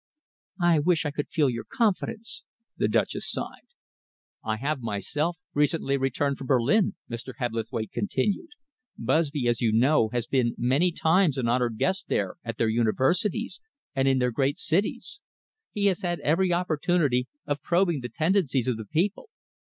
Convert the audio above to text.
"I wish I could feel your confidence," the Duchess sighed. "I have myself recently returned from Berlin," Mr. Hebblethwaite continued. "Busby, as you know, has been many times an honoured guest there at their universities and in their great cities. He has had every opportunity of probing the tendencies of the people.